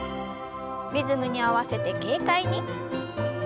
リズムに合わせて軽快に。